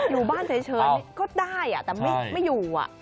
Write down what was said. อยู่บ้านเฉยก็ได้แต่ไม่อยู่